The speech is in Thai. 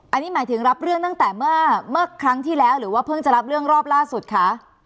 อันนี้หมายถึงรับเรื่องตั้งแต่เมื่อครั้งที่แล้วหรือว่าเพิ่งจะรับเรื่องรอบล่าสุดคะ